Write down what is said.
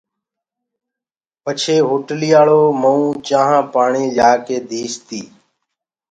پڇي هوٽلَيآݪو مئونٚ چآنٚه پآڻِيٚ ليآڪي ديٚستيٚ